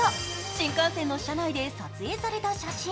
新幹線の車内で撮影された写真。